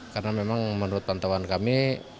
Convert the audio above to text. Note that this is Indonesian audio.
karena memang menurut pantauan kami